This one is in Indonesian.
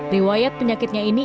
riwayat penyakitnya ini ia terkenal